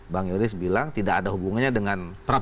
bang yoris bilang tidak ada hubungannya dengan